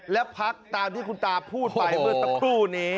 และพักตามที่คุณตาพูดไปเมื่อสักครู่นี้